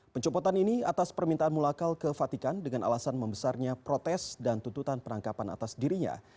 pencopotan ini atas permintaan mulakal ke fatikan dengan alasan membesarnya protes dan tuntutan penangkapan atas dirinya